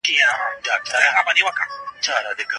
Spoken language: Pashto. موږ د انساني حقونو درناوی کړی و.